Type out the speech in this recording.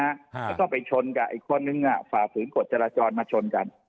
แล้วก็ไปชนกับอีกคนนึงฝ่าฝืนกฎจราจรมาชนกัน